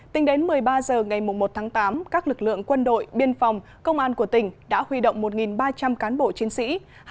tính đến một mươi ba h ngày một tháng tám các lực lượng quân đội biên phòng công an của tỉnh đã huy động một ba trăm linh cán bộ chiến sĩ